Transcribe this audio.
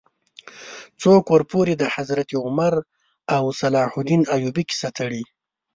څوک ورپورې د حضرت عمر او صلاح الدین ایوبي کیسه تړي.